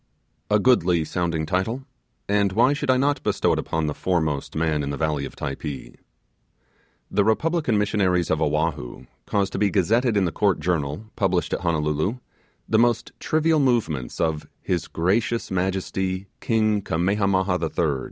A goodly sounding title and why should I not bestow it upon the foremost man in the valley of Typee? The republican missionaries of Oahu cause to be gazetted in the Court Journal, published at Honolulu, the most trivial movement of 'his gracious majesty' King Kammehammaha III, and 'their highnesses the princes of the blood royal'.